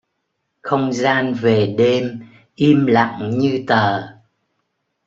Không gian về đêm im lặng như tờ